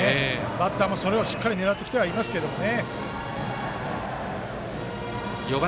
バッターも、それをしっかり狙ってきてはいますけどね。